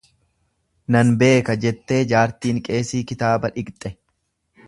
Nan beeka jettee jaartiin geesii kitaaba dhiqxe.